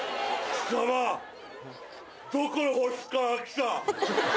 貴様、どこの星から来た？